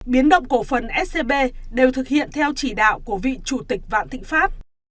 biến động cổ phần scb đều thực hiện theo chỉ đạo của vị chủ tịch vạn thịnh pháp